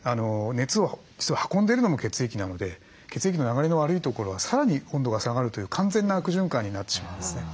熱を運んでるのも血液なので血液の流れの悪いところはさらに温度が下がるという完全な悪循環になってしまうんですね。